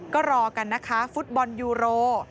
ก็รอกันนะคะฟุตบอลยูโร